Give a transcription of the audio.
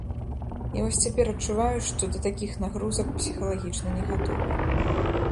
І вось цяпер адчуваю, што да такіх нагрузак псіхалагічна не гатовы.